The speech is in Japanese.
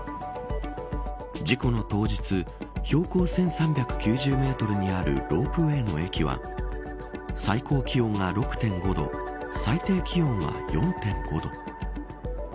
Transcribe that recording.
事故の当日標高１３９０メートルにあるロープウェイの駅は最高気温が６．５度最低気温は４．５度。